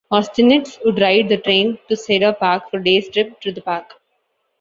Austinites would ride the train to Cedar Park for day trips to the park.